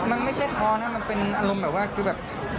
มันไม่ใช่ท้อนะมันเป็นอารมณ์แบบว่าคือแบบ